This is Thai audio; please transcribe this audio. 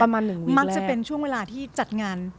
มักจะเป็นช่วงเวลาที่จัดงาน